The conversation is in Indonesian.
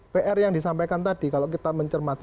pr yang disampaikan tadi kalau kita mencermati